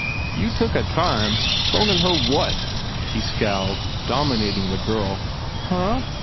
"You took a time ! Phonin her what?" He scowled, dominating the girl, "Huh?"